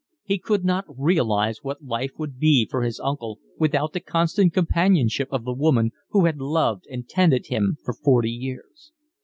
He could not realise what life would be for his uncle without the constant companionship of the woman who had loved and tended him for forty years.